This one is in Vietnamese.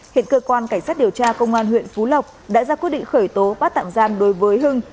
hiện cơ quan cảnh sát điều tra công an huyện phú lộc đã ra quyết định khởi tố bắt tạm giam đối với hưng